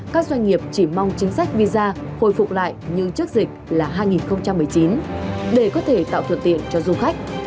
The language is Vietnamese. các doanh nghiệp chỉ mong chính sách visa hồi phục lại như trước dịch là hai nghìn một mươi chín để có thể tạo thuận tiện cho du khách